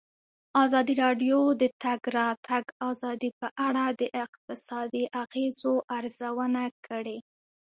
ازادي راډیو د د تګ راتګ ازادي په اړه د اقتصادي اغېزو ارزونه کړې.